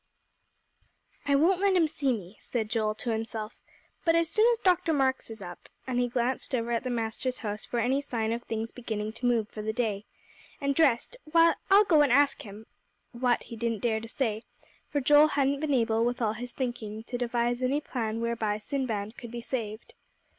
"I won't let him see me," said Joel to himself, "but as soon as Dr. Marks is up" and he glanced over at the master's house for any sign of things beginning to move for the day "and dressed, why, I'll go and ask him " what, he didn't dare to say, for Joel hadn't been able, with all his thinking, to devise any plan whereby Sinbad could be saved.